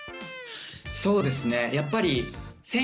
そうですねやっぱりほう。